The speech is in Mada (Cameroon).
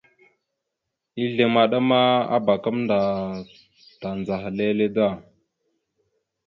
Ezle maɗa ma abak gamẹnda tandzəha lele da.